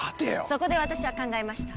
そこで私は考えました。